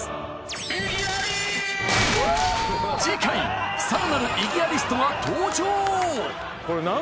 次回さらなる異議アリストが登場！